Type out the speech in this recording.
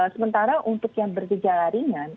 sementara untuk yang bergejala ringan